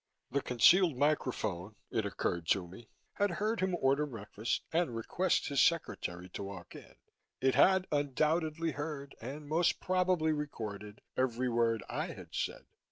The concealed microphone, it occurred to me, had heard him order breakfast and request his secretary to walk in. It had undoubtedly heard and most probably recorded every word I had said.